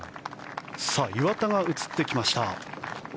岩田が映ってきました。